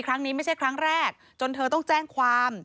ครั้งนี้ไม่ใช่ครั้งแรกจนเธอต้องแจ้งความ